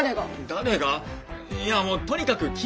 誰がいやもうとにかく禁止です！